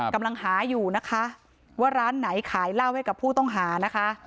กำลังหาอยู่นะคะว่าร้านไหนขายเหล้าให้กับผู้ต้องหานะคะ